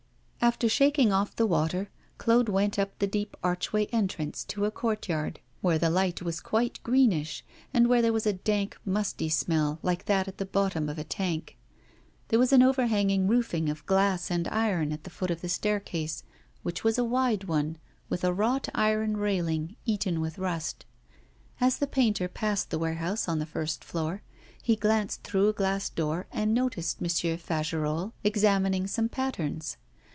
After shaking off the water, Claude went up the deep archway entrance, to a courtyard, where the light was quite greenish, and where there was a dank, musty smell, like that at the bottom of a tank. There was an overhanging roofing of glass and iron at the foot of the staircase, which was a wide one, with a wrought iron railing, eaten with rust. As the painter passed the warehouse on the first floor, he glanced through a glass door and noticed M. Fagerolles examining some patterns.